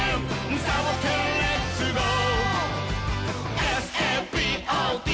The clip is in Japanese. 「サボテンレッツゴー！」